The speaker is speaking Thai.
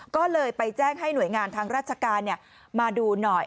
ก็เลยไปแจ้งให้หน่วยงานทางราชการมาดูหน่อย